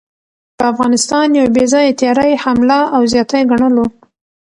په افغانستان يو بې ځايه تېرے، حمله او زياتے ګڼلو